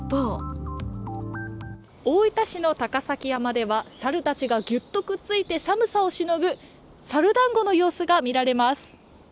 大分市の高崎山では猿たちがぎゅっとくっついて寒さをしのぐ猿だんごの様子が見られます。